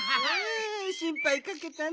しんぱいかけたね。